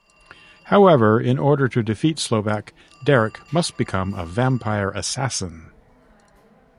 However, in order to defeat Slovak, Derek must become a vampire assassin.